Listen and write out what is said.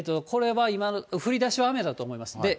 これは降りだしは雨だと思います。